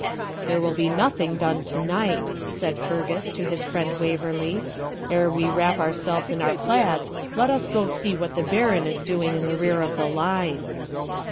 'There will be nothing done to night,' said Fergus to his friend Waverley; 'ere we wrap ourselves in our plaids, let us go see what the Baron is doing in the rear of the line.'